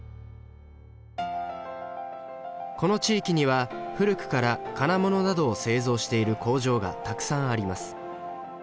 この地域には古くから金物などを製造している工場がたくさんあります。